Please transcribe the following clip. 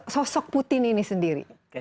sosok putin ini sendiri